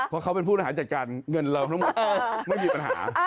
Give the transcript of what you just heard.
เพราะเขาเป็นผู้นหาจักรจานเงินเราไม่มีปัญหา